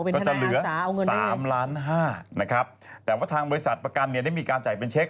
ก็จะเหลือ๓ล้านห้านะครับแต่ว่าทางบริษัทประกันเนี่ยได้มีการจ่ายเป็นเช็ค